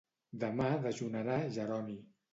Demà dejunarà Jeroni.